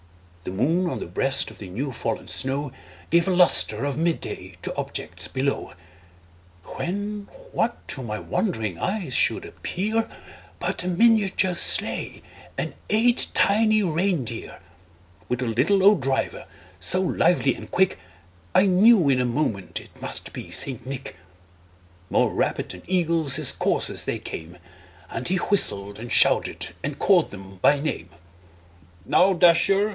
The moon, on the breast of the new fallen snow, Gave a lustre of mid day to objects below; When, what to my wondering eyes should appear, But a miniature sleigh, and eight tiny rein deer, With a little old driver, so lively and quick, I knew in a moment it must be St. Nick. More rapid than eagles his coursers they came, And he whistled, and shouted, and called them by name; "Now, Dasher!